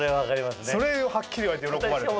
それをはっきり言われて喜ばれた。